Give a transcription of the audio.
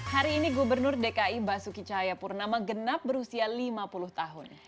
hari ini gubernur dki basuki cahayapurnama genap berusia lima puluh tahun